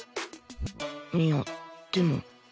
いやでも